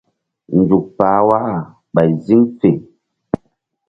Nzuk pah waka ɓay ziŋ fe.